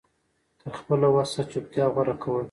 تر خپله وسه چوپتيا غوره کول